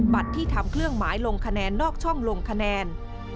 ที่ทำเครื่องหมายลงคะแนนนอกช่องลงคะแนน